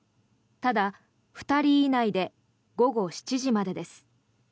ただ、２人以内で午後７時までです。